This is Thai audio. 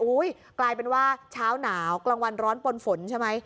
กลายเป็นว่าเช้าหนาวกลางวันร้อนปนฝนใช่ไหม